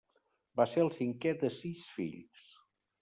Va ser el cinquè de sis fills.